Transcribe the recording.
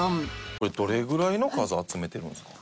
これどれぐらいの数集めてるんですか？